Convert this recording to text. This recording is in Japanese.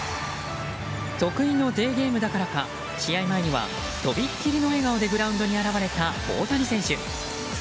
得意のデーゲームだからか試合前にはとびっきりの笑顔でグラウンドに現れた大谷選手。